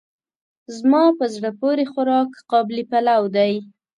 زما په زړه پورې خوراک قابلي پلو دی.